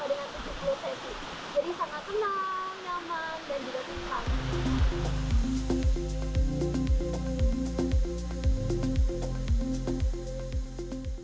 jadi sangat tenang nyaman dan juga senang